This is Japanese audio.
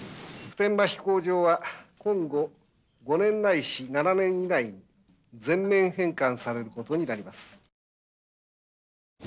普天間飛行場は今後５年ないし７年以内に全面返還されることになります。